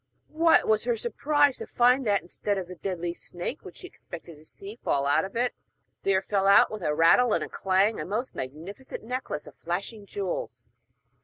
What was her surprise to find that, instead of the deadly snake which she expected to see fall out of it, there fell out with a rattle and a clang a most magnificent necklace of flashing jewels!